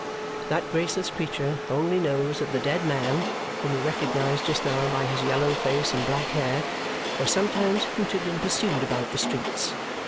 That graceless creature only knows that the dead man (whom he recognized just now by his yellow face and black hair) was sometimes hooted and pursued about the streets.